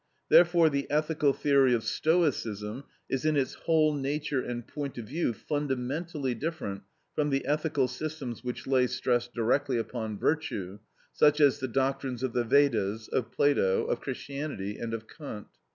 Therefore the ethical theory of Stoicism is in its whole nature and point of view fundamentally different from the ethical systems which lay stress directly upon virtue, such as the doctrines of the Vedas, of Plato, of Christianity, and of Kant.